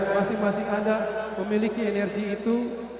masing masing anda memiliki energi itu